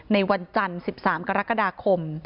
ในวันจันทร์๑๓กรกฎาคม